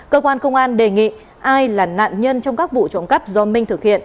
cơ quan công an đề nghị ai là nạn nhân trong các vụ trộm cắp do minh thực hiện